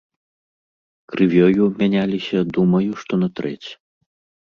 Крывёю мяняліся думаю, што на трэць.